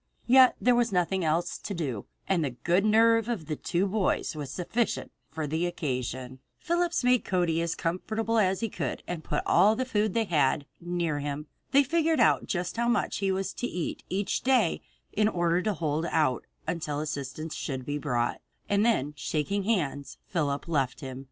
Yet there was nothing else to do, and the good nerve of the two boys was sufficient for the occasion. Phillips made Cody as comfortable as he could and put all the food they had near him. They figured out just how much he was to eat each day in order to hold out until assistance should be brought, and then shaking hands, Phillips left him.